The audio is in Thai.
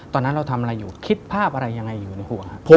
ตอนนั้นเราทำอะไรอยู่คิดภาพอะไรยังไงอยู่ในห่วงครับ